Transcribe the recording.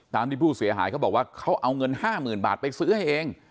ที่ผู้เสียหายเขาบอกว่าเขาเอาเงิน๕๐๐๐บาทไปซื้อให้เอง